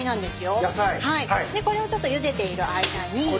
でこれをちょっとゆでている間に。